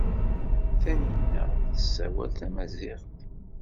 Taninna tessawal tamaziɣt.